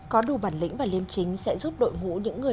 có đủ bản lĩnh và liêm chính sẽ giúp đội ngũ